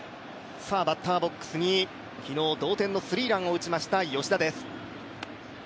バッターボックスに昨日同点のスリーランを打ちました吉田です。